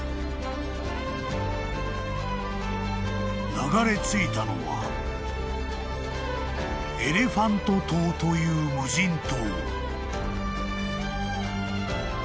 ［流れ着いたのはエレファント島という無人島］